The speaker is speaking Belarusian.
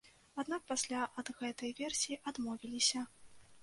Аднак пасля ад гэтай версіі адмовіліся.